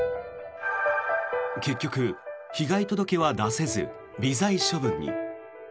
結局、被害届は出せず微罪処分に。